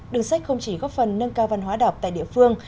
đường sách không chỉ góp phần nâng cao văn hóa đọc tại địa phương